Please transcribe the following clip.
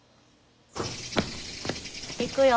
行くよ。